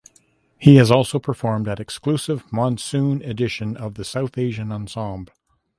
He has also performed at exclusive monsoon edition of The South Asian Ensemble.